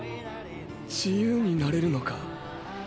自由になれるのか？